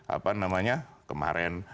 apa namanya kemarin